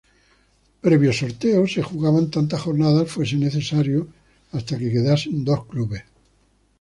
Previo sorteo, se jugaban tantas jornadas fuese necesario hasta que quedasen dos clubes.